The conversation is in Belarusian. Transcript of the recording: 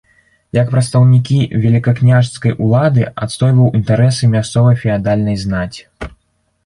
Як прадстаўнікі велікакняжацкай улады адстойваў інтарэсы мясцовай феадальнай знаці.